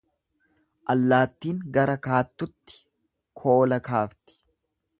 Allaattiin gara kaattutti koola kaafti.